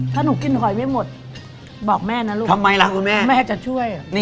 ถ้าหนูกินหอยไม่หมดบอกแม่นะลูกทำไมล่ะคุณแม่แม่จะช่วย